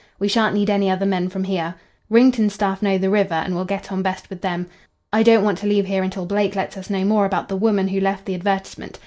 We shan't need any other men from here. Wrington's staff know the river, and will get on best with them. I don't want to leave here until Blake lets us know more about the woman who left the advertisement.